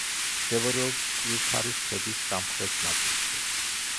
მდებარეობს კირთარის ქედის სამხრეთ ნაწილში.